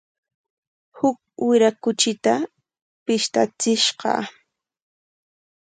Huk wira kuchita pishtachishqa.